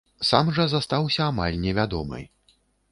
Сам жа застаўся амаль невядомы.